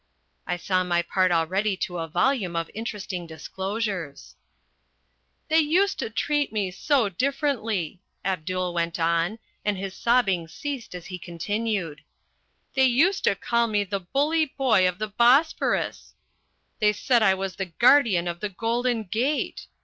I saw my part already to a volume of interesting disclosures. "They used to treat me so differently," Abdul went on, and his sobbing ceased as he continued, "They used to call me the Bully Boy of the Bosphorus. They said I was the Guardian of the Golden Gate.